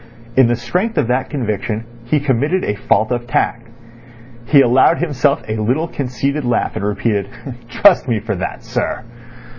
In the strength of that conviction he committed a fault of tact. He allowed himself a little conceited laugh, and repeated: "Trust me for that, sir."